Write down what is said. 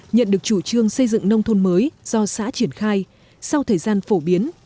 nhận được chủ trương xây dựng nông thôn mới do xã triển khai sau thời gian phổ biến